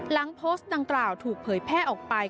หลังโพสต์ดังกล่าวถูกเผยแพร่ออกไป